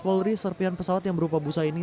polri serpian pesawat yang berupa busa ini